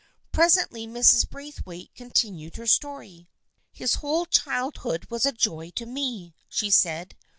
Pres ently Mrs. Braithwaite continued her story. " His whole childhood was a joy to me," she said.